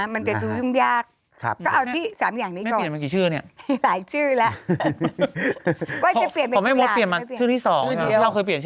มันจะเป็นตัวยุ่งยาก